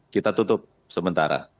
kita tutup sementara